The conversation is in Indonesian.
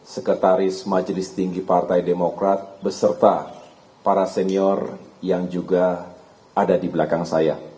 sekretaris majelis tinggi partai demokrat beserta para senior yang juga ada di belakang saya